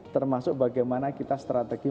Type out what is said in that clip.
termasuk bagaimana kita strategi